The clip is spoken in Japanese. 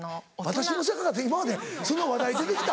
「私も背が」って今までその話題出て来た？